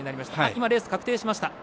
レースが確定しました。